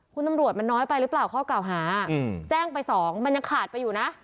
คุณตำรวจมันน้อยไปหรือเปล่าข้อกล่าวหาแจ้งไปสองมันยังขาดไปอยู่นะ